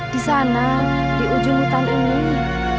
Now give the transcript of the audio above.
di sana di ujung hutan ini